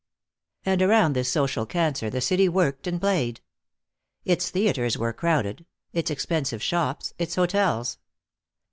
And around this social cancer the city worked and played. Its theatres were crowded, its expensive shops, its hotels.